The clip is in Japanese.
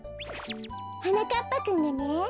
はなかっぱくんがね。